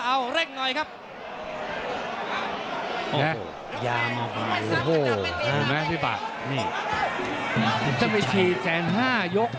อ้าวพิษชัย